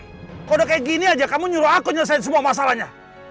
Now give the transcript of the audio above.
kok udah kayak gini aja kamu nyuruh aku nyelesaikan semua masalahnya